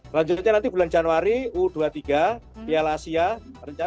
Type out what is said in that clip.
selanjutnya nanti bulan januari u dua puluh tiga piala asia